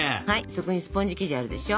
そこにスポンジ生地があるでしょ。